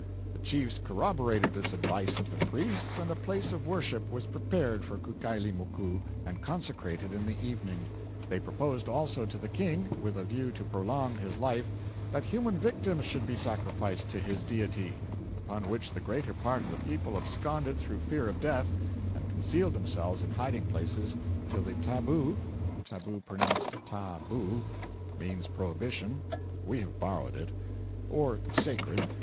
The chiefs corroborated this advice of the priests, and a place of worship was prepared for Kukailimoku, and consecrated in the evening. They proposed also to the King, with a view to prolong his life, that human victims should be sacrificed to his deity; upon which the greater part of the people absconded through fear of death, and concealed themselves in hiding places till the tabu [Tabu (pronounced tah boo,) means prohibition (we have borrowed it,) or sacred.